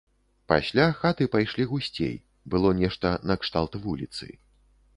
Пасля хаты пайшлі гусцей, было нешта накшталт вуліцы.